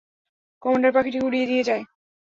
Commander পাখিকে উড়িয়ে নিয়ে যায়!